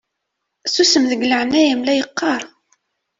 Susem deg leɛnaya-m la yeqqaṛ!